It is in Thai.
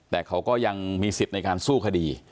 แต่เขาก็ยังมีสิทธิ์ในการสู้คดี